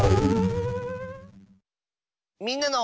「みんなの」。